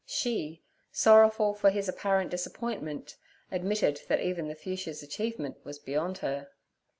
She, sorrowful for his apparent disappointment, admitted that even The Fuchsia's achievement was beyond her.